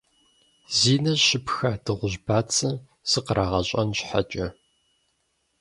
Зи нэ щыпха дыгъужь бацэм зыкърагъэщӀэн щхьэкӀэ,.